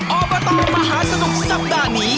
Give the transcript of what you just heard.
อบตมหาสนุกสัปดาห์นี้